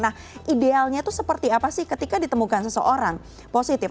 nah idealnya itu seperti apa sih ketika ditemukan seseorang positif